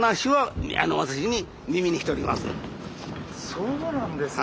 そうなんですか。